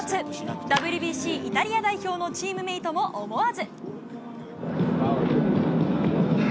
ＷＢＣイタリア代表のチームメートも思わず。